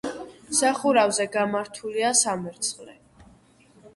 სახურავზე გამართულია სამერცხლე.